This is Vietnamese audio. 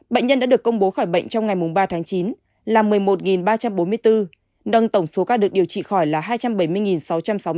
bệnh nhân đã được công bố khỏi bệnh trong ngày ba tháng chín là một mươi một ba trăm bốn mươi bốn nâng tổng số ca được điều trị khỏi là hai trăm bảy mươi sáu trăm sáu mươi ca